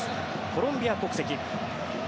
コロンビア国籍。